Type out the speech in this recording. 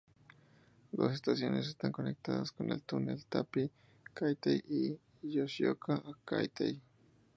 Dos estaciones están conectadas con el túnel: Tappi-Kaitei y Yoshioka-Kaitei.